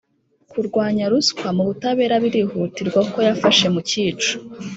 Kurwanya ruswa mu butabera birihutirwa kuko yafashe mu cyico